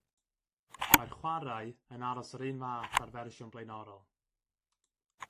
Mae'r chwarae yn aros yr un fath â'r fersiwn blaenorol.